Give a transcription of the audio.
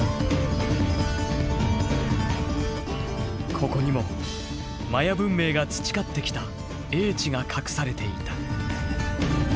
ここにもマヤ文明が培ってきた英知が隠されていた。